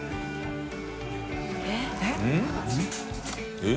えっ？